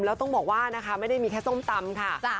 แล้วต้องบอกว่านะคะไม่ได้มีแค่ส้มตำค่ะ